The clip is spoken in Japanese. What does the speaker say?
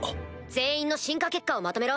全員の進化結果をまとめろ。